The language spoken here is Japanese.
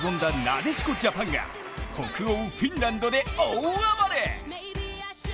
なでしこジャパンが北欧フィンランドで大暴れ。